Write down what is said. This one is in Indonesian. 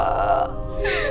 tolong aku kak